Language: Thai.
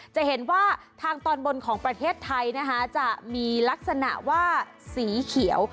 จะเห็นว่าทางตอนบนของประเทศไทยนะคะจะมีลักษณะว่าสีเขียว